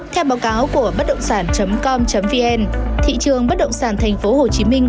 theo báo cáo của bấtđộngsản com vn thị trường bất động sản thành phố hồ chí minh